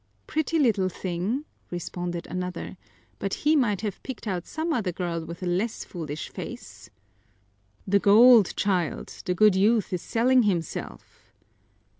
"Pretty little thing!" responded another. "But he might have picked out some other girl with a less foolish face." "The gold, child! The good youth is selling himself."